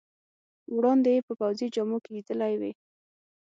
وړاندې یې په پوځي جامو کې لیدلی وې.